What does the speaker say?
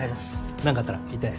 何かあったら言ってね。